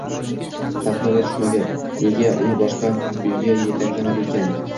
Taqdiri tushmagur, nega uni boshqa uyga yetaklamadi ekan?